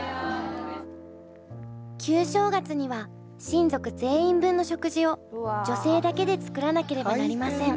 旧正月には親族全員分の食事を女性だけで作らなければなりません。